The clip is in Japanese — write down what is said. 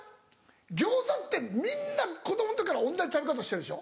餃子ってみんな子供の時から同じ食べ方してるでしょ。